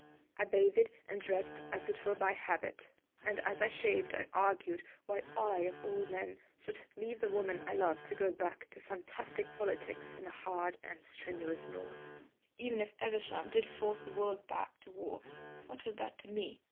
I bathed and dressed as it were by habit, and as I shaved I argued why I of all men should leave the woman I loved to go back to fantastic politics in the hard and strenuous north. Even if Evesham did force the world back to war, what was that to me?